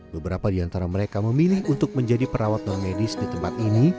beberapa diantara mereka memilih untuk menjadi perawat normedis di tempat ini